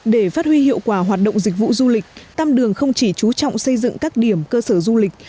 để phát huy hiệu quả hoạt động dịch vụ du lịch tam đường không chỉ chú trọng xây dựng các điểm cơ sở du lịch